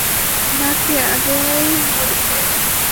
না কি আগেই মারবে?